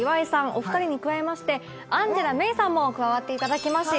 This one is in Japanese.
お二人に加えましてアンジェラ芽衣さんも加わっていただきまして。